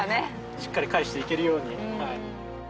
しっかり返していけるように。